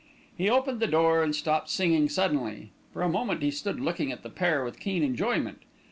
He opened the door and stopped singing suddenly. For a moment he stood looking at the pair with keen enjoyment.